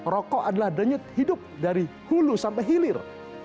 rokok adalah denyut hidup dari hulu sampai hilir